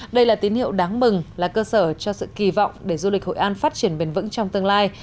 đây là tín hiệu đáng mừng là cơ sở cho sự kỳ vọng để du lịch hội an phát triển bền vững trong tương lai